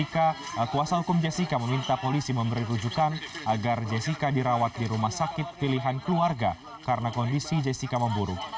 ketika kuasa hukum jessica meminta polisi memberi rujukan agar jessica dirawat di rumah sakit pilihan keluarga karena kondisi jessica memburuk